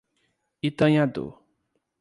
Itanhandu